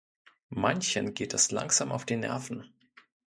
Manchen geht das langsam auf die Nerven.